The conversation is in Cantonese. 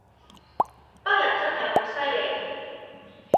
北人真係好犀利